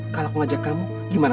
kalau aku ngajak kamu gimana